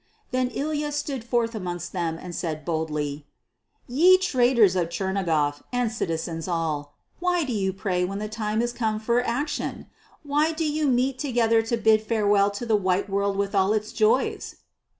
Then Ilya stood forth amongst them and said boldly, "Ye traders of Chernigof, and citizens all, why do you pray when the time is come for action? Why do you meet together to bid farewell to the white world with all its joys?"